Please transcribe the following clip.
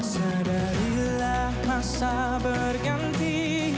sadarilah masa berganti